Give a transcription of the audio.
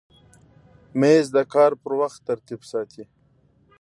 مېز د کار پر وخت ترتیب ساتي.